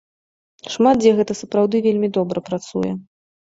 Шмат дзе гэта сапраўды вельмі добра працуе.